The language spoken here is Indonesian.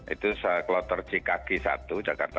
itu kloter ckg satu jakarta satu